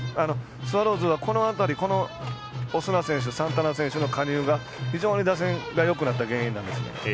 スワローズはオスナ選手、サンタナ選手の加入が非常に打線がよくなった原因なんです。